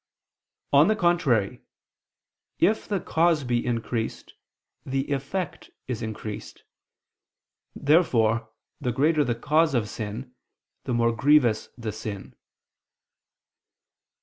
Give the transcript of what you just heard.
On the contrary, If the cause be increased, the effect is increased. Therefore the greater the cause of sin, the more grievous the sin.